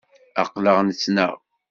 Aql-aɣ nettnaɣ